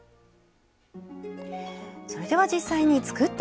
それでは実際に作っていきましょう。